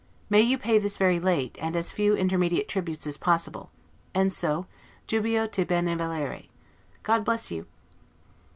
May you pay this very late, and as few intermediate tributes as possible; and so 'jubeo te bene valere'. God bless you!